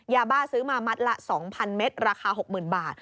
ยาบ้าซื้อมามัดละ๒๐๐เมตรราคา๖๐๐๐บาท